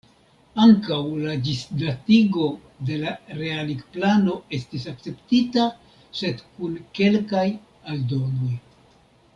Ankaŭ la ĝisdatigo de la realigplano estis akceptita, sed kun kelkaj aldonoj.